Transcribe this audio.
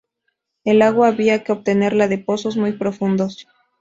El agua había que obtenerla de pozos muy profundos.